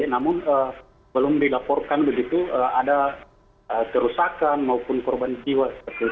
namun belum dilaporkan begitu ada kerusakan maupun korban jiwa